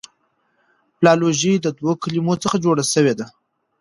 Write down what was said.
فلالوژي د دوو کلمو څخه جوړه سوې ده.